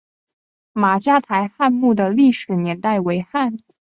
马家台汉墓的历史年代为汉。